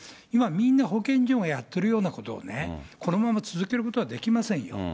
今、みんな保健所がやってるようなことをね、このまま続けることはできませんよ。